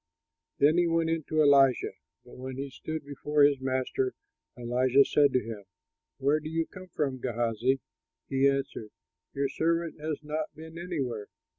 Then he went in to Elisha; but when he stood before his master, Elisha said to him, "Where do you come from, Gehazi?" He answered, "Your servant has not been anywhere."